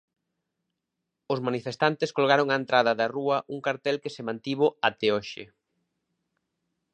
Os manifestantes colgaron á entrada da rúa un cartel que se mantivo até hoxe.